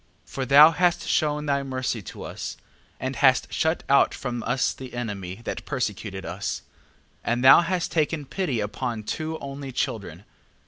8:18. For thou hast shewn thy mercy to us, and hast shut out from us the enemy that persecuted us. 8:19. And thou hast taken pity upon two only children.